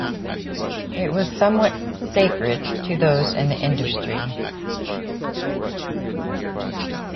It was somewhat sacred to those in the industry.